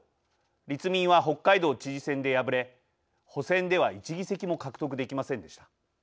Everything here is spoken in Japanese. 立民は北海道知事選で敗れ補選では１議席も獲得できませんでした。